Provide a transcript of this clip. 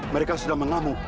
mereka sudah mengamu